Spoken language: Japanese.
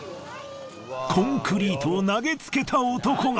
コンクリートを投げつけた男が。